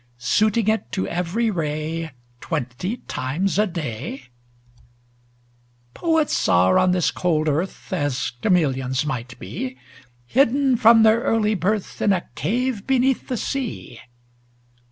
Suiting it to every ray Twenty times a day ? Poets are on this cold earth, As chameleons might be, Hidden from their early birth In a cave beneath the sea.